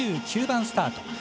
２９番スタート。